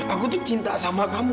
aku tuh cinta sama kamu